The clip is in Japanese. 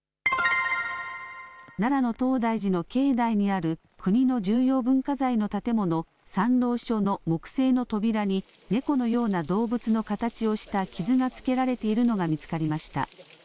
奈良の東大寺の境内にある、国の重要文化財の建物、参籠所の木製の扉に、猫のような動物の形をした傷がつけられているのが見つかりました。